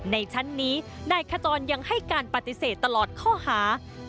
ในชั้นนี้นายขจรยังให้การปฏิเสธตลอดข้อหา